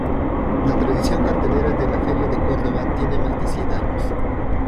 La tradición cartelera de la Feria de Córdoba tiene más de cien años.